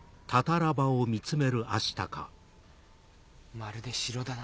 まるで城だな。